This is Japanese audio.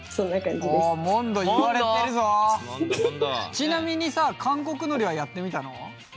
ちなみにさ韓国のりはやってみたの？